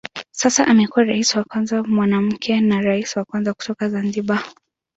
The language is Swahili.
Sasa amekuwa rais wa kwanza mwanamke na rais wa kwanza kutoka Zanzibar.